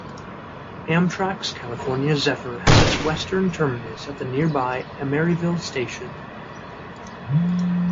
Amtrak's "California Zephyr" has its western terminus at the nearby Emeryville station.